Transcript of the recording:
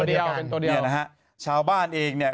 เดียวเนี่ยนะฮะชาวบ้านเองเนี่ย